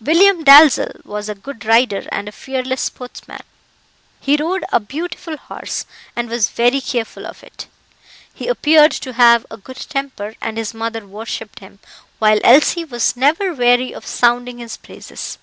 William Dalzell was a good rider and a fearless sportsman; he rode a beautiful horse, and was very careful of it. He appeared to have a good temper, and his mother worshipped him, while Elsie was never weary of sounding his praises.